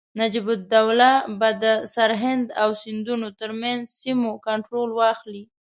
نجیب الدوله به د سرهند او سیندونو ترمنځ سیمو کنټرول واخلي.